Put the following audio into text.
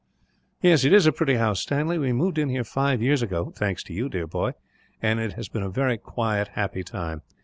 "Yes, it is a pretty house, Stanley. We moved in here five years ago thanks to you, dear boy and it has been a very quiet, happy time.